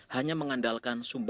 hanya mengandalkan sumber